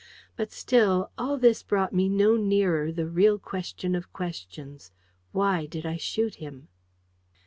But still, all this brought me no nearer the real question of questions why did I shoot him?